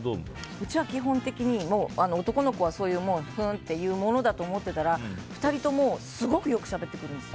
うちは基本的に男の子はそういうものだと思ってたら２人ともすごくよくしゃべってくるんですよ。